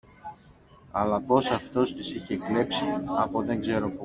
αλλά πως αυτός τις είχε κλέψει από δεν ξέρω που